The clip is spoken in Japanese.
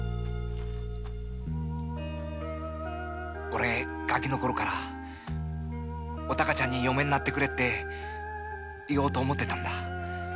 オレは餓鬼のころからお孝ちゃんに嫁になってくれって言おうと思ってたんだ。